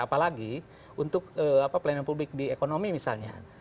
apalagi untuk pelayanan publik di ekonomi misalnya